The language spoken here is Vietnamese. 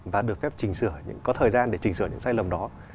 và được phép trình sửa có thời gian để trình sửa những sai lầm đó